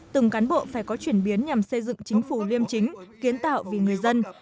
từng cán bộ phải có chuyển biến nhằm xây dựng chính phủ liêm chính kiến tạo vì người dân